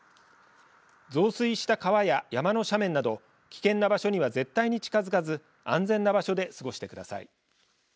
増水した川や山の斜面など危険な場所には絶対に近づかず安全な場所で過ごしてください。